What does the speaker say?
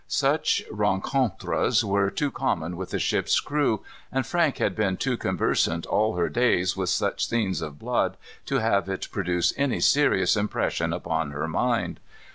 Such rencontres were too common with that ship's crew, and Frank had been too conversant all her days with such scenes of blood to have it produce any serious impression upon her mind.